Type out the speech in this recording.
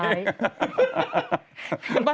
เพิ่งไปซะ